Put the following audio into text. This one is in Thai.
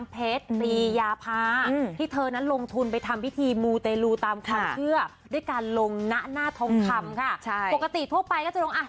ปกติทั่วไปก็จงสักแผ่น๒แผ่น